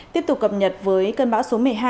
tiếp tục cập nhật với cơn bão số một mươi hai